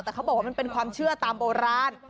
แต่เขาบอกว่ามันเป็นความเชื่อตามโบราณ